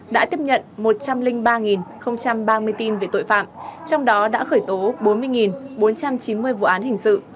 đã tiếp nhận một trăm linh ba ba mươi tin về tội phạm trong đó đã khởi tố bốn mươi bốn trăm chín mươi vụ án hình sự